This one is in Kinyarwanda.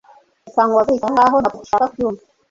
Reka nguhagarike aho ngaho Ntabwo dushaka kubyumva